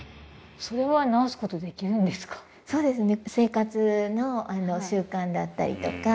そうですね